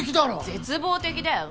絶望的だよ。